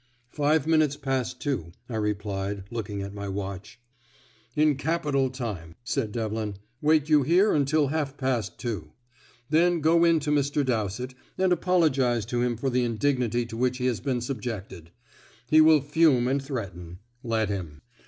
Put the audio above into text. "Five minutes past two," I replied, looking at my watch. "In capital time," said Devlin. "Wait you here until half past two. Then go in to Mr. Dowsett, and apologise to him for the indignity to which he has been subjected. He will fume and threaten; let him.